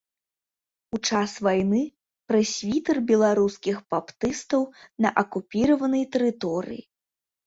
У час вайны прэсвітэр беларускіх баптыстаў на акупіраванай тэрыторыі.